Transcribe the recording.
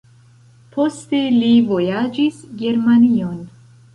Poste li vojaĝis Germanion.